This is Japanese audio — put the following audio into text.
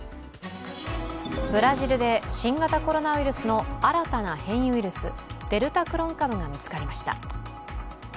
ブラジルで新型コロナウイルスの新たな変異ウイルスデルタクロン株が見つかりました。